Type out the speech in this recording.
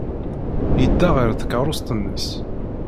Yedda ɣer tkeṛṛust-nnes.